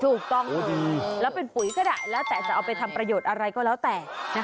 ถูกต้องแล้วเป็นปุ๋ยก็ได้แล้วแต่จะเอาไปทำประโยชน์อะไรก็แล้วแต่